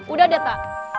udah deh ata